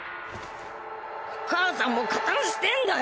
お母さんも加担してんだよ！